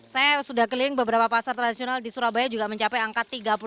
saya sudah keliling beberapa pasar tradisional di surabaya juga mencapai angka tiga puluh